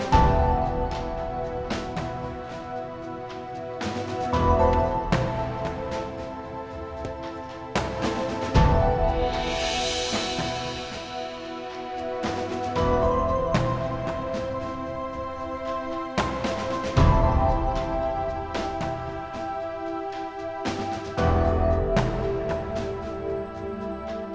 saya akan melihatnya